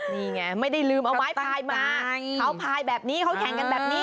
นี่ไงไม่ได้ลืมเอาไม้พายมาเขาพายแบบนี้เขาแข่งกันแบบนี้